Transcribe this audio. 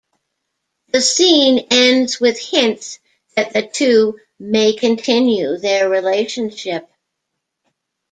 The scene ends with hints that the two may continue their relationship.